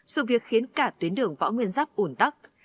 sự việc khiến cả tuyến đường võ nguyên giáp ủn tắc